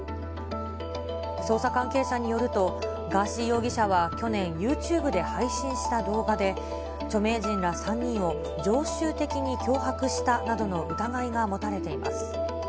捜査関係者によると、ガーシー容疑者は去年、ユーチューブで配信した動画で著名人ら３人を常習的に脅迫したなどの疑いが持たれています。